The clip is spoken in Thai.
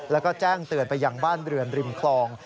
แล้วก็แจ้งเตือนไปยังบ้านเรือนริมคลอง